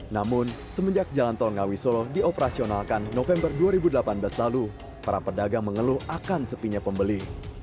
namun semenjak jalan tol ngawi solo dioperasionalkan november dua ribu delapan belas lalu para pedagang mengeluh akan sepinya pembeli